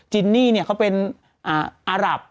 จีนี่เขาเป็นอัลับ